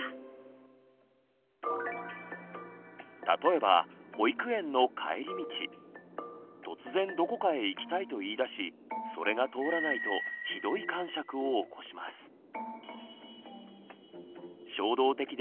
例えば保育園の帰り道突然どこかへ行きたいと言いだしそれが通らないとひどいかんしゃくを起こします。